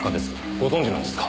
ご存じなんですか？